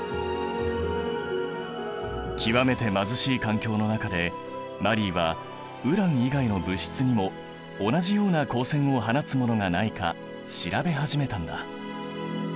極めて貧しい環境の中でマリーはウラン以外の物質にも同じような光線を放つものがないか調べ始めたんだ。